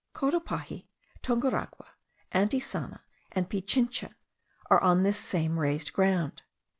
Cotopaxi, Tunguragua, Antisana, and Pichincha, are on this same raised ground.